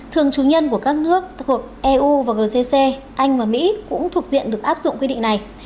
thường chủ nhân của các nước thuộc eu và gcc anh và mỹ cũng thuộc diện được áp dụng quy định này